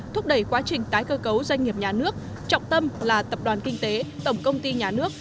thúc đẩy quá trình tái cơ cấu doanh nghiệp nhà nước trọng tâm là tập đoàn kinh tế tổng công ty nhà nước